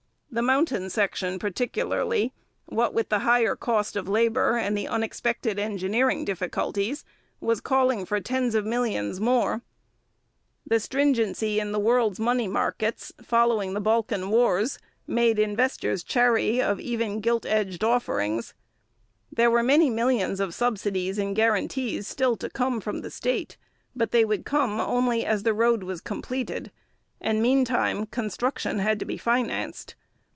The mountain section particularly, what with the higher cost of labour and the unexpected engineering difficulties, was calling for tens of millions more; the stringency in the world's money markets, following the Balkan Wars, made investors chary of even gilt edged offerings. There were many millions of subsidies and guarantees still to come from the state, but they would come only as the road was completed, and meantime construction had to be financed.